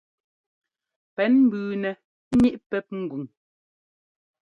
Pɛ́n mbʉʉnɛ ŋíʼ pɛ́p ŋgʉn.